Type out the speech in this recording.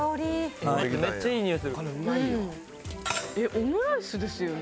オムライスですよね？